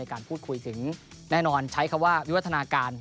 การพูดคุยถึงแน่นอนใช้คำว่าวิวัฒนาการ